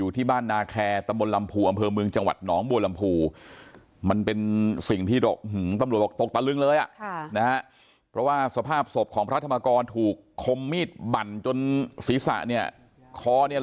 ตกตลึงเลยนะเพราะว่าสภาพศพของพระธรรมกรถูกคมมีดบั่นจนศิษย์ศะเนี้ย